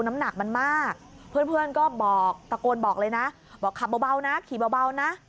น้ำหนักมันมากเพื่อนก็บอกตะโกนบอกเลยนะบอกขับเบานะขี่เบานะ